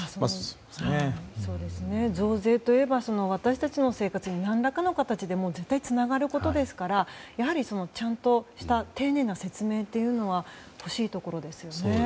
増税といえば私たちの生活に何らかの形で絶対につながることですからやはりちゃんとした丁寧な説明が欲しいところですよね。